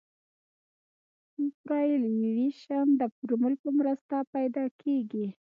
سوپرایلیویشن د فورمول په مرسته پیدا کیږي